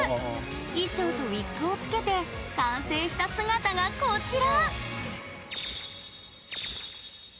衣装とウィッグを着けて完成した姿がこちら。